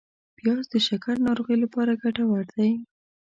پیاز د شکر ناروغۍ لپاره ګټور دی